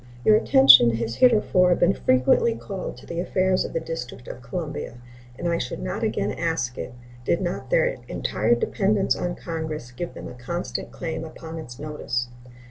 Your attention has heretofore been frequently called to the affairs of the District of Columbia, and I should not again ask it did not their entire dependence on Congress give them a constant claim upon its notice.